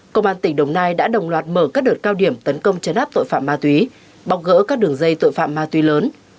công an tỉnh đồng nai đã đồng loạt mở các đợt cao điểm tấn công chấn áp tội phạm ma túy bọc gỡ các đường dây tội phạm ma túy lớn